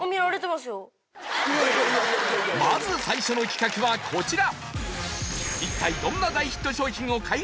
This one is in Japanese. まず最初の企画はこちら！